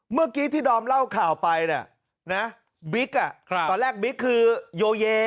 เมื่อกี้ที่ดอมเล่าข่าวไปเนี่ยนะบิ๊กตอนแรกบิ๊กคือโยเย